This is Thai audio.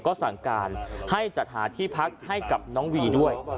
ก็สั่งการให้จัดหาที่พักให้กับน้องวีด้วย